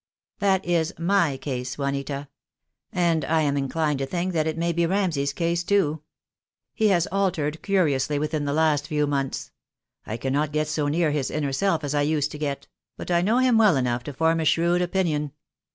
That is my case, Juanita; and I am inclined to think that it may be Ramsay's case too. He has altered curiously within the last few months. I cannot get so near his inner self as I used to get; but I know him well enough to form a shrewd opinion."